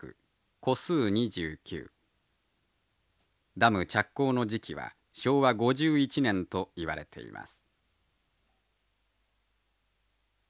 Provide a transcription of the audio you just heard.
ダム着工の時期は昭和５１年といわれています。